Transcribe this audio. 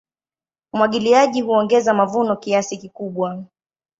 Umwagiliaji huongeza mavuno kiasi kikubwa.